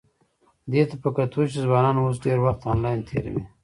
دې ته په کتو چې ځوانان اوس ډېر وخت انلاین تېروي،